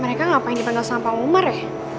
mereka ngapain dibantah sama pak umar ya